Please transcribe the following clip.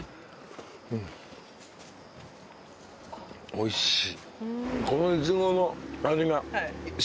おいしい。